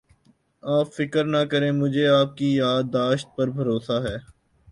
آپ فکر نہ کریں مجھے آپ کی یاد داشت پر بھروسہ ہے